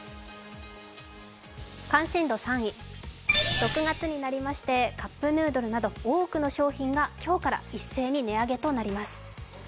関心度３位、６月になりましてカップヌードルなど多くの商品が今日から一斉に値上げとなります。